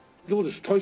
どうです？